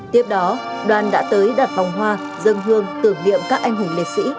tiếp đó đoàn đã tới đặt vòng hoa dân hương tưởng niệm các anh hùng liệt sĩ